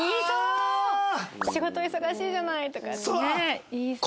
「仕事忙しいじゃない！」とかってね言いそう。